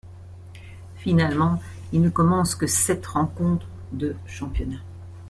Finalement, il ne commence que sept rencontres de championnat.